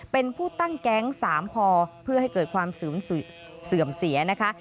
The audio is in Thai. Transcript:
เป็นผู้ตั้งแก๊ง๓พอเพื่อให้เกิดความเสื่อมเสียนะคะ